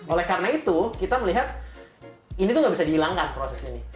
oleh karena itu kita melihat ini tuh gak bisa dihilangkan proses ini